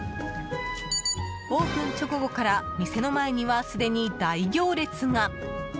オープン直後から店の前には、すでに大行列が。